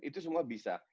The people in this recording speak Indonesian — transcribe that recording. itu semua bisa